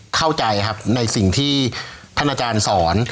เข้าใจครับในสิ่งที่ท่านอาจารย์สอน